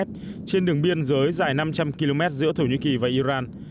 trên đường biên giới dài năm trăm linh km giữa thổ nhĩ kỳ và iran